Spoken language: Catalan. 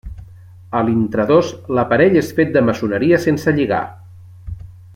A l'intradós l'aparell és fet de maçoneria sense lligar.